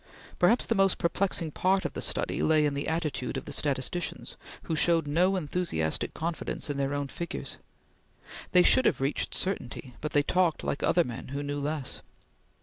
Perhaps the most perplexing part of the study lay in the attitude of the statisticians, who showed no enthusiastic confidence in their own figures. They should have reached certainty, but they talked like other men who knew less.